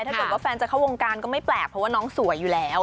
ถ้าเกิดว่าแฟนจะเข้าวงการก็ไม่แปลกเพราะว่าน้องสวยอยู่แล้ว